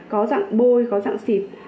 có dạng bôi có dạng xịt